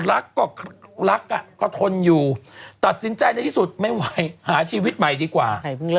รักก็รักอ่ะก็ทนอยู่ตัดสินใจในที่สุดไม่ไหวหาชีวิตใหม่ดีกว่า